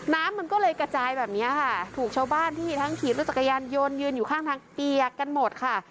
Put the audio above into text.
น้ำมันก็เลยกระจายแบบนี้ค่ะถูกชาวบ้านที่ทั้งขี่รถจักรยานยนต์ยืนอยู่ข้างทางเปียกกันหมดค่ะ